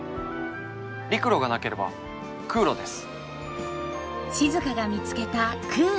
陸路がなければ空路です。